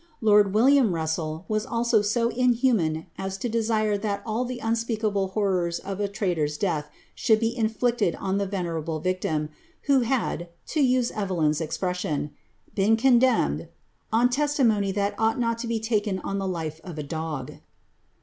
Lonl William Russell was also eo inhnmanai to desire that all the unspeakable horrors of a traitor^s death ahonld be inflicted on the venerable victim, who had, to use Evelyn's ezpressioB, been condemned on testimony tliat ought not to be t^en on the life of a dog."